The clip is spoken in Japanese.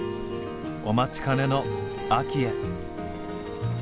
お待ちかねの秋へ。